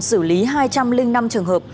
xử lý hai trăm linh năm trường hợp